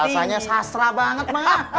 bahasanya sastra banget ma